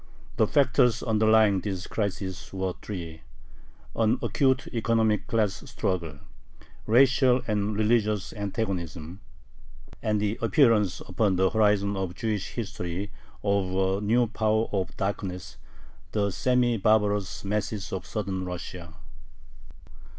The factors underlying this crisis were three: an acute economic class struggle, racial and religious antagonism, and the appearance upon the horizon of Jewish history of a new power of darkness the semi barbarous masses of Southern Russia.